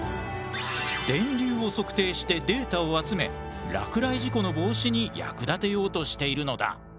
電流を測定してデータを集め落雷事故の防止に役立てようとしているのだ。